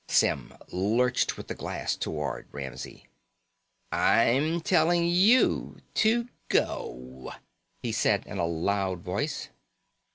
Symm lurched with the glass toward Ramsey. "I'm telling you to go," he said in a loud voice.